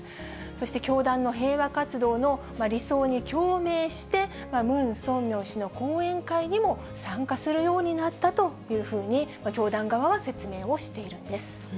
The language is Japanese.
そして教団の平和活動の理想に共鳴して、ムン・ソンミョン氏の講演会にも参加するようになったというふうに、教団側は説明をしているんです。